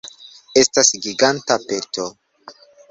Estas giganta peto